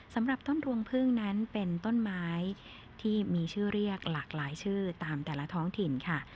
สำหรับต้นรวงพึ่งนั้นเป็นต้นไม้ที่มีชื่อเรียกหลากหลายชื่อตามแต่ละท้องถิ่นค่ะ